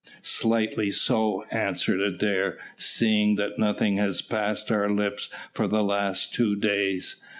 "Slightly so," answered Adair, "seeing that nothing has passed our lips for the last two days.